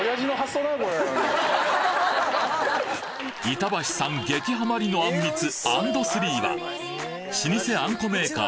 板橋さん激ハマりのあんみつａｎｄ３は老舗あんこメーカー